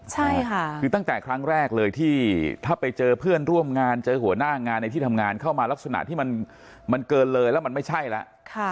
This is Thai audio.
ใช่ค่ะคือตั้งแต่ครั้งแรกเลยที่ถ้าไปเจอเพื่อนร่วมงานเจอหัวหน้างานในที่ทำงานเข้ามาลักษณะที่มันเกินเลยแล้วมันไม่ใช่แล้ว